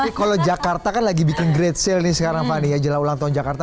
tapi kalau jakarta kan lagi bikin great sale nih sekarang fani ya jelang ulang tahun jakarta